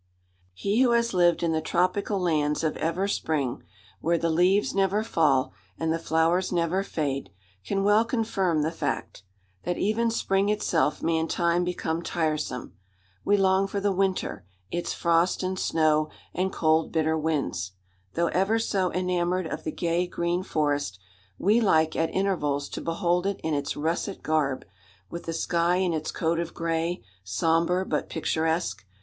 He who has lived in the tropical lands of ever spring where the leaves never fall, and the flowers never fade can well confirm the fact: that even spring itself may in time become tiresome! We long for the winter its frost and snow, and cold bitter winds. Though ever so enamoured of the gay green forest, we like at intervals to behold it in its russet garb, with the sky in its coat of grey, sombre but picturesque.